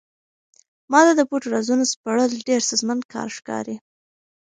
ما ته د پټو رازونو سپړل ډېر ستونزمن کار ښکاري.